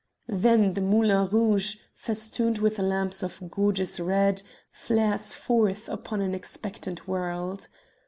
Then the Moulin Rouge, festooned with lamps of gorgeous red, flares forth upon an expectant world.